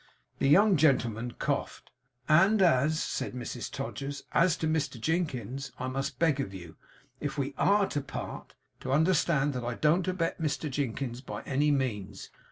The young gentleman coughed. 'And as,' said Mrs Todgers, 'as to Mr Jinkins, I must beg of you, if we ARE to part, to understand that I don't abet Mr Jinkins by any means.